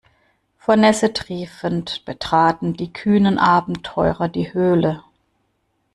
Vor Nässe triefend betraten die kühnen Abenteurer die Höhle.